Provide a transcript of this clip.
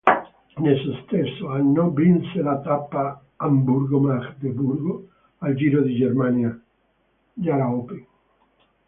Nello stesso anno vinse la tappa Amburgo-Magdeburgo al Giro di Germania, gara open.